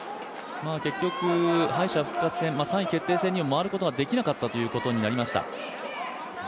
敗者復活戦に回ることができなかったということになりました。